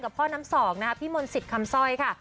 กับพ่อน้ำ๒นะพี่มนต์สิทธิ์คำซ่อยค่ะ